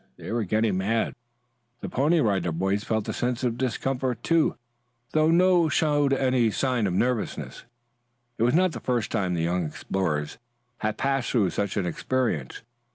They were getting mad. The Pony Rider Boys felt a sense of discomfort too, though none showed any nervousness. It was not the first time the young explorers had passed through such an experience.